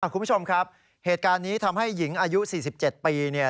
คุณผู้ชมครับเหตุการณ์นี้ทำให้หญิงอายุ๔๗ปีเนี่ย